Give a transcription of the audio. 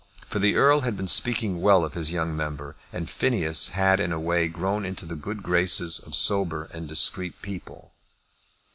For the Earl had been speaking well of his young member, and Phineas had in a way grown into the good graces of sober and discreet people.